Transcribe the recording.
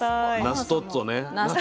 ナストッツォ。